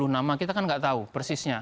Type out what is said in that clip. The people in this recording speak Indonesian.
sepuluh nama kita kan nggak tahu persisnya